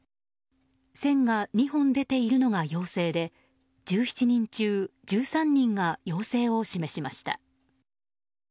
線が２本出ているのが陽性で１７人中１３人が陽性を示しました。